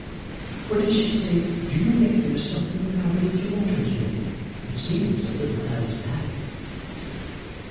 Or did she say, "Do you think there is something the matter with your motor to day? It seems a little asthmatic?"